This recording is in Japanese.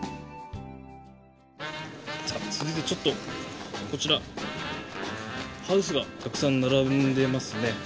続いてちょっとこちらハウスがたくさん並んでますね。